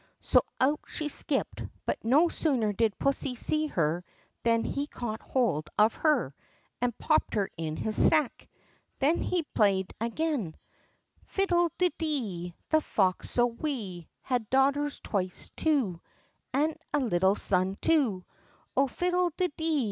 So out she skipped, but no sooner did pussy see her than he caught hold of her and popped her into his sack. Then he played again: "Fiddle de dee! The foxy so wee Had daughters twice two, And a little son too Oh! Fiddle de dee!